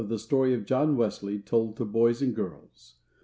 _] THE STORY OF JOHN WESLEY. Told to Boys and Girls.